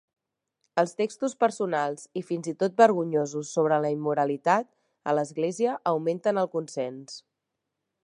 Els textos personals i fins i tot vergonyosos sobre la immoralitat a l'església augmenten el consens.